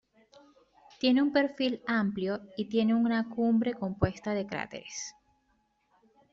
Tiene un perfil amplio y tiene una cumbre compuesta de cráteres.